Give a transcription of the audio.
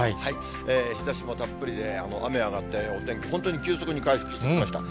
日ざしもたっぷりで、雨上がって、お天気、本当に急速に回復してきました。